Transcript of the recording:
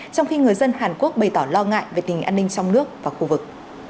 trong khi người dân hàn quốc bày tỏ lo ngại về tình an ninh trong nước và khu vực